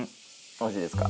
おいしいですか？